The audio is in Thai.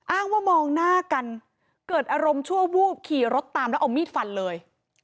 อ้างว่ามองหน้ากันเกิดอารมณ์ชั่ววูบขี่รถตามแล้วเอามีดฟันเลย